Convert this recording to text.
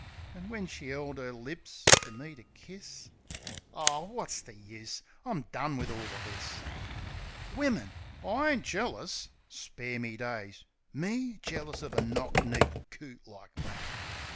An' when she 'eld 'er lips fer me to kiss. ... Ar, wot's the use ? I'm done wiv all o' this ! Wimmin! ... Oh, I ain't jealous! Spare me daysi Me? Jealous uv a knock kneed coot like that!